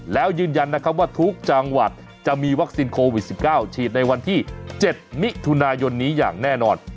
แล้วยืนยันนะครับว่าทุกจังหวัดจะมีวัคซีนโควิด๑๙ฉีดในวันที่๗มิถุนายนนี้อย่างแน่นอน